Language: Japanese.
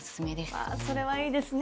それはいいですね。